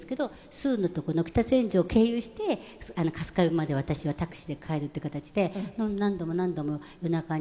スーの所の北千住を経由して春日部まで私はタクシーで帰るっていう形で何度も何度も夜中に。